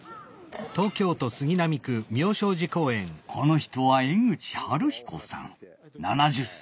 この人は江口晴彦さん７０歳。